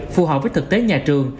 phù hợp với thực tế nhà trường